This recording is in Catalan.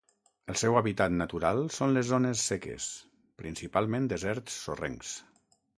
El seu hàbitat natural són les zones seques, principalment deserts sorrencs.